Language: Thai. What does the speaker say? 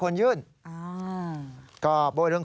ไม่มีคำสั่ง